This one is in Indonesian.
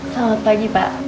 selamat pagi pak